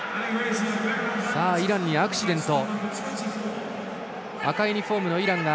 イランにアクシデント。